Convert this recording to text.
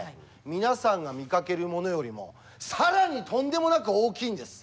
皆さんが見かけるものよりも更にとんでもなく大きいんです。